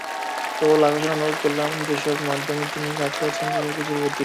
প্রবল আকর্ষণ অনুভব করলাম যেসব মাধ্যমে তিনি কাজ করছেন সেসব কিছুর প্রতি।